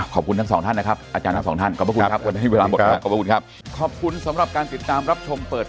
ขอบคุณทั้งสองท่านนะครับอาจารย์ทั้งสองท่าน